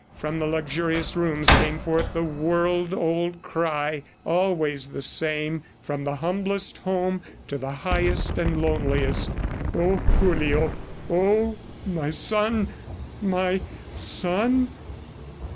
From the luxurious rooms came forth the world old cry, always the same from the humblest home to the highest and loneliest: "Oh, Julio! ... Oh, my son, my son!